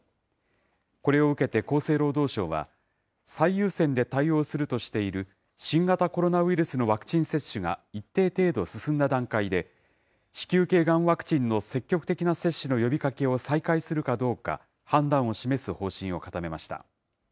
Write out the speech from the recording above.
これを受けて厚生労働省は、最優先で対応するとしている、新型コロナウイルスのワクチン接種が一定程度進んだ段階で、子宮けいがんワクチンの積極的な接種の呼びかけを再開するかどうか、判断を示す方針を固めました。